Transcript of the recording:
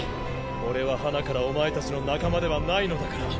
俺ははなからお前たちの仲間ではないのだから。